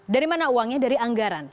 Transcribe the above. dari mana uangnya dari anggaran